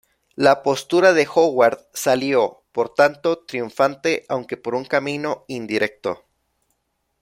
La postura de Howard salió, por tanto, triunfante, aunque por un camino indirecto.